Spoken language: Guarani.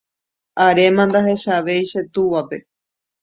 aréma ndahechavéi che túvape.